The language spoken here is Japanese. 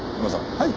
はい。